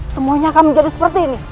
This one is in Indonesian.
semuanya akan menjadi seperti ini